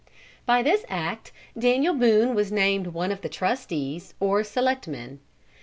By this act Daniel Boone was named one of the trustees or selectmen.